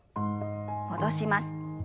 戻します。